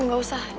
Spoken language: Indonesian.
ini gak usah om